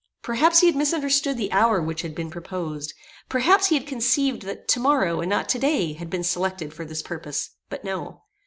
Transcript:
Perhaps he had misunderstood the hour which had been proposed. Perhaps he had conceived that to morrow, and not to day, had been selected for this purpose: but no.